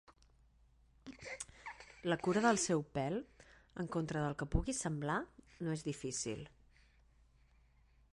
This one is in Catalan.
La cura del seu pèl, en contra del que pugui semblar, no és difícil.